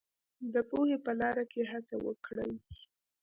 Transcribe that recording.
د پوهې په لار کې هڅه وکړئ.